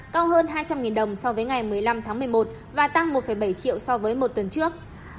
cao hơn hai trăm linh đồng so với ngày một mươi năm tháng một mươi một và tăng một bảy triệu so với một tuần trước